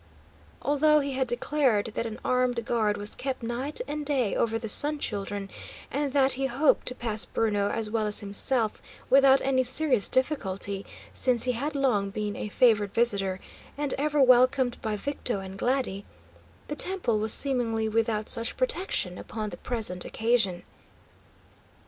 Although he had declared that an armed guard was kept night and day over the Sun Children, and that he hoped to pass Bruno as well as himself without any serious difficulty, since he had long been a favoured visitor, and ever welcomed by Victo and Glady, the temple was seemingly without such protection upon the present occasion.